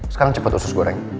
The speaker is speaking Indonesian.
sekarang cepet usus goreng